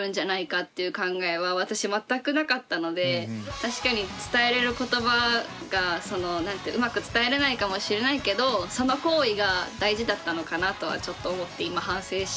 確かに伝えれる言葉がうまく伝えれないかもしれないけどその行為が大事だったのかなとはちょっと思って今反省してます。